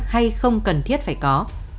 hay không cần thiết phải có